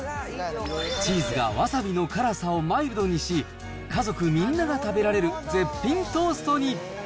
チーズがわさびの辛さをマイルドにし、家族みんなが食べられる絶品トーストに。